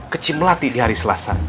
kecim latih di hari selasa